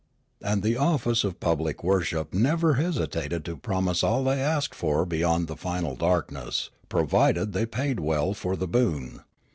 And the office of public worship never hesitated to promise all they asked for beyond the final darkness, provided they paid well for the boon.